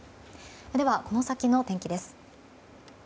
では、この先の天気です。